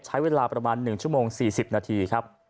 ใช้เวลาประมาณ๑ชั่วโมง๔๐นาทีครับ